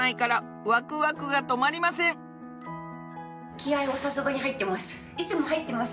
気合はさすがに入ってます。